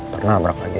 pernah berak lagi